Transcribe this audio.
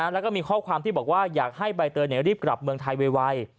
แล้วก็มีข้อความที่บอกว่าอยากให้ใบเตยรีบกลับเมืองไทยไว